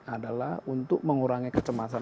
adalah untuk mengurangi kecemasan